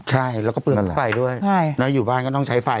ใช่แล้วก็ปืนไฟด้วยแล้วอยู่บ้านก็ต้องใช้ไฟ